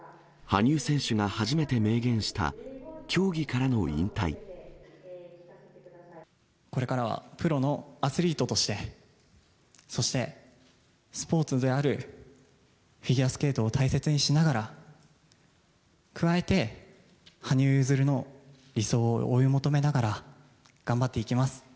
羽生選手が初めて明言した、これからはプロのアスリートとして、そしてスポーツであるフィギュアスケートを大切にしながら、加えて、羽生結弦の理想を追い求めながら、頑張っていきます。